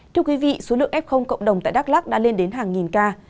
thưa quý vị số lượng f cộng đồng tại đắk lắc đã lên đến hàng nghìn ca